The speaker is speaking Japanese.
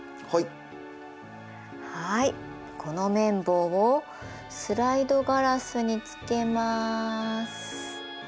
はいこの綿棒をスライドガラスにつけます。